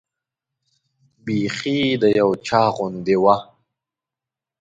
بیخي د یو چا غوندې وه.